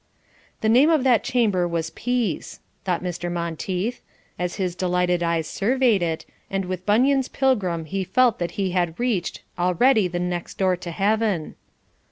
"The name of that chamber was Peace," thought Mr. Monteith, as his delighted eyes surveyed, it and with Bunyan's Pilgrim he felt that he had reached "already the next door to heaven."